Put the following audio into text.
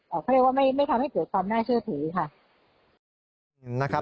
เขาเรียกว่าไม่ทำให้เกิดความน่าเชื่อถือค่ะ